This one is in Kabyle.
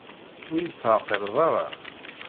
Ur yi-d-teɛqileḍ ara?